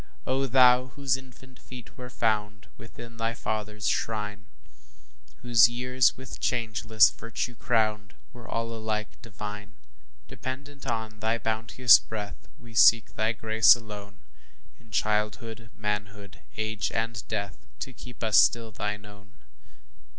O Thou, whose infant feet were found Within thy Father's shrine, Whose years, with changeless virtue crowned, Were all alike divine; Dependent on thy bounteous breath, We seek thy grace alone, In childhood, manhood, age, and death, To keep us still thine own.